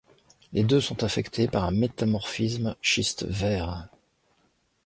Les deux sont affectées par un métamorphisme schiste vert.